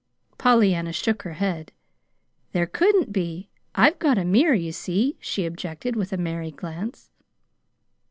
Pollyanna shook her head. "There couldn't be. I've got a mirror, you see," she objected, with a merry glance.